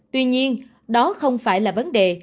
tuy nhiên đó không phải là vấn đề